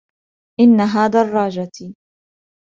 إنها دراجتي.